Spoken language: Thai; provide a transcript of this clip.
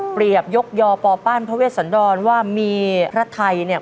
ยกยอปอปั้นพระเวชสันดรว่ามีพระไทยเนี่ย